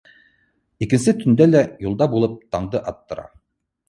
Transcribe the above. Икенсе төндә лә юлда булып, таңды аттыра.